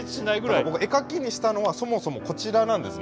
だから僕絵描きにしたのはそもそもこちらなんですね。